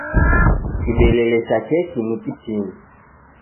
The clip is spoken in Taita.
Kibelele cha keki ni kitini.